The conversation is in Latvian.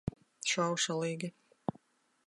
Šaušalīgi.